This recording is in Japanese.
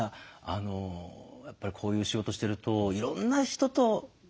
やっぱりこういう仕事してるといろんな人とずっとね。